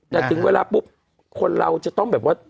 แต่ถึงเวลาปุ๊บคนเราจะต้องแบบว่า